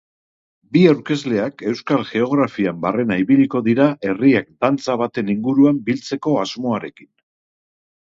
Bi aurkezleak euskal geografian barrena ibiliko dira herriak dantza baten inguruan biltzeko asmoarekin.